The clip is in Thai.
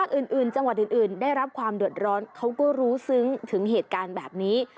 เขาก็รู้ซึ้งถึงเหตุการณ์แบบนี้